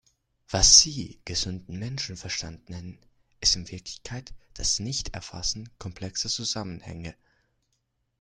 Was Sie gesunden Menschenverstand nennen, ist in Wirklichkeit das Nichterfassen komplexer Zusammenhänge.